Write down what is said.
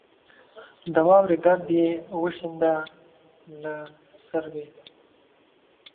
د واورې ګرد یې وشینده له سروې